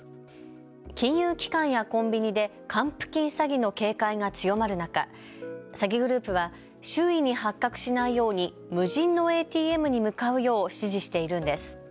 金融機関やコンビニで還付金詐欺の警戒が強まる中、詐欺グループは周囲に発覚しないように無人のＡＴＭに向かうよう指示しているのです。